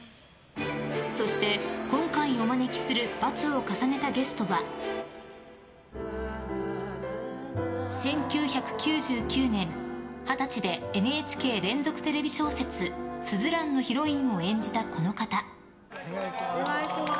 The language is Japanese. そして、今回お招きするバツを重ねたゲストは１９９９年、二十歳でＮＨＫ連続テレビ小説「すずらん」のヒロインを演じたこの方。